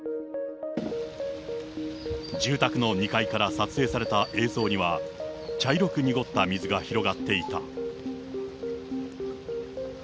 住宅の２階から撮影された映像には、茶色く濁った水が広がっていた。